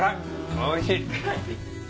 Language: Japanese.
おいしい。